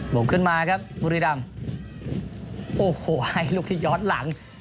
บุกขึ้นมาครับบุรีรำโอ้โหให้ลูกที่ย้อนหลัง